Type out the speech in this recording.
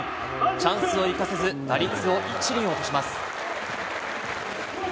チャンスを生かせず、打率を１厘落とします。